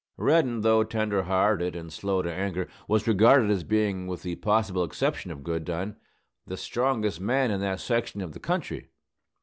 Reddin, though tender hearted and slow to anger, was regarded as being, with the possible exception of Goodine, the strongest man in that section of the country.